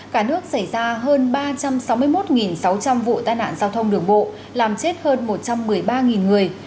cả nước xảy ra hơn ba trăm sáu mươi một sáu trăm linh vụ tai nạn giao thông đường bộ làm chết hơn một trăm một mươi ba người